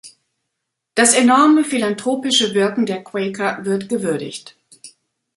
Das enorme philanthropische Wirken der Quaker wird gewürdigt.